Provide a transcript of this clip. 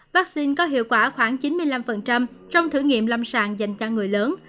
vaccine có hiệu quả khoảng chín mươi năm trong thử nghiệm lâm sàng dành cho người lớn